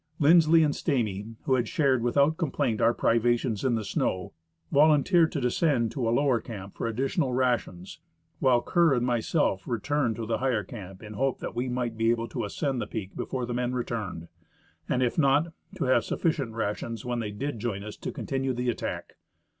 Lindsley and Stamy, who had shared without complaint our privations in the snow, volunteered to descend to a lower camp for additional rations, while Kerr and myself returned to the higher camp in the hope that we might be able to ascend the peak before the men returned, and, if not, to have sufficient rations when they did rejoin us to continue the attack.